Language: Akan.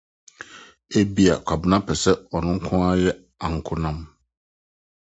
Ebia Kwabena pɛ sɛ ɔno nkutoo yɛ ankonam.